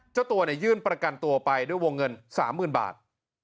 เจ้าตัวเนี่ยยื่นประกันตัวไปด้วยวงเงินสามหมื่นบาท